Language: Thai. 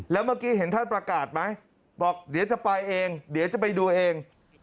แล้วเมื่อกี้เห็นท่านประกาศไหมบอกเดี๋ยวจะไปเองเดี๋ยวจะไปดูเอง